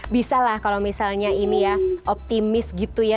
bisa lah kalau misalnya ini ya optimis gitu ya